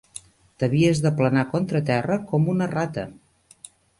T'havies d'aplanar contra terra com una rata